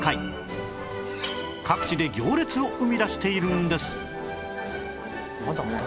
各地で行列を生み出しているんです